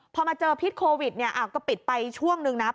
พอมาเจอพิษโควิดเนี่ยก็ปิดไปช่วงนึงนะ